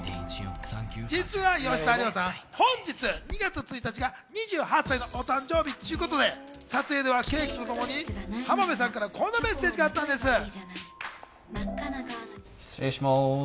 実は吉沢亮さん、本日２月１日が２８歳の誕生日ということで、撮影ではケーキとともに浜辺さんからこんなメッセージがあったんです。